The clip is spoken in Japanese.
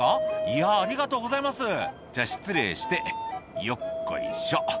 「いやありがとうございますじゃあ失礼して」「よっこいしょ」